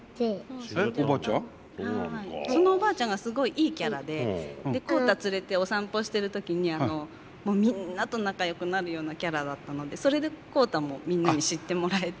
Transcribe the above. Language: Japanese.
そのおばあちゃんがすごいいいキャラでコウタ連れてお散歩してる時にもうみんなと仲よくなるようなキャラだったのでそれでコウタもみんなに知ってもらえて。